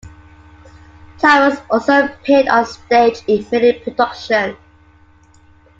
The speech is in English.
Thomas also appeared on stage in many productions.